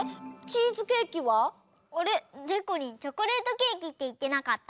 あれ？でこりんチョコレートケーキっていってなかった？